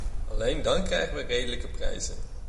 Alleen dan krijgen we redelijke prijzen.